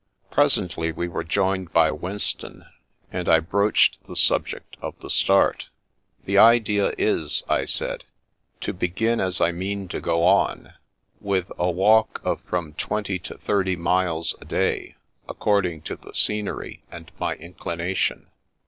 Presently we were joined by Winston, and I broached the subject of the start. " The idea is," I said, to begin as I mean to go on, with a walk of from twenty to thirty miles a day, according to the scenery and my inclination.